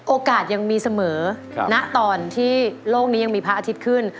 ยังมีเสมอณตอนที่โลกนี้ยังมีพระอาทิตย์ขึ้น